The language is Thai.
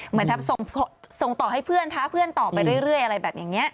เหมือนส่งต่อให้เพื่อนท้าเพื่อนต่อไปเรื่อยอะไรแบบนี้